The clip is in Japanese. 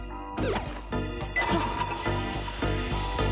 あっ！